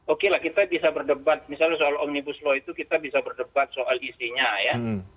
oke lah kita bisa berdebat misalnya soal omnibus law itu kita bisa berdebat soal isinya ya